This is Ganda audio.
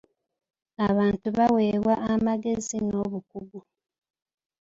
Abantu baawebwa amagezi n'obukugu.